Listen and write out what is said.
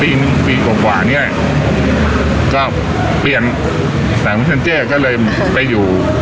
ปีหนึ่งปีกว่าเนี้ยก็เปลี่ยนแสนวิชันเจ้าก็เลยไปอยู่